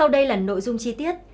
đây là nội dung chi tiết